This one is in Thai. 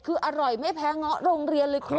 คืออร่อยไม่แพ้เงาะโรงเรียนเลยคุณ